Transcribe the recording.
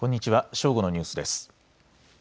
正午のニュースです。